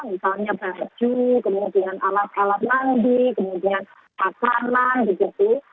misalnya baju kemudian alat alat mandi kemudian makanan begitu